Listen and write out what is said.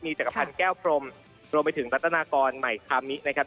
จักรพันธ์แก้วพรมรวมไปถึงรัตนากรใหม่คามินะครับ